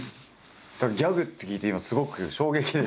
だからギャグって聞いて今すごく衝撃です。